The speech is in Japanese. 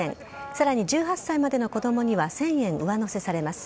さらに１８歳までの子供には１０００円上乗せされます。